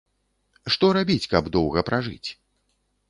Што рабіць, каб доўга пражыць?